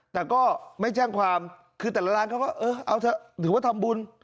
แล้วก็ไม่แจ้งความคือแต่ละร้านก็เออถึงว่าดำบุญ